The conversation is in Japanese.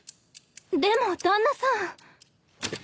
でも旦那さん。